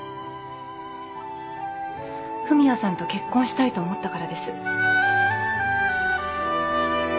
文也さんと結婚したいと思ったからです。